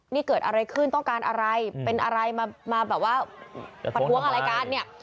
นี่เกิดอะไรขึ้นต้องการอะไรเป็นอะไรมาแบบว่าประท้วงอะไรกันเนี่ย